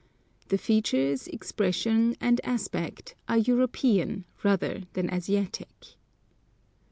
The features, expression, and aspect, are European rather than Asiatic.